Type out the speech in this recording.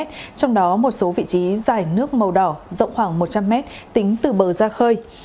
trong đó một số vị trí dài nước màu đỏ rộng khoảng một trăm linh mét tính từ bờ ra khơi